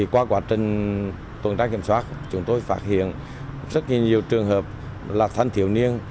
qua quá trình tổng tác kiểm soát chúng tôi phát hiện rất nhiều trường hợp là thanh thiếu niên